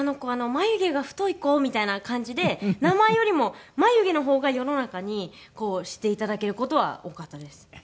眉毛が太い子」みたいな感じで名前よりも眉毛の方が世の中にこう知っていただける事は多かったです。